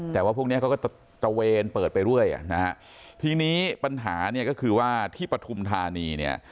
แต่ว่าพวกนี้เขาก็ตระเวนเปิดไปเรื่อยอ่ะนะฮะทีนี้ปัญหาเนี่ยก็คือว่าที่ปฐุมธานีเนี่ย